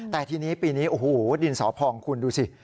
แต่ทีนี้ปีนี้โอ้โหดินสอพองคุณดูสิ